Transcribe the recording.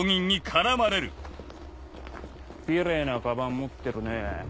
キレイなカバン持ってるね。